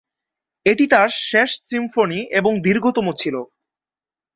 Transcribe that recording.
এটি তার শেষ সিম্ফনি এবং দীর্ঘতম ছিল।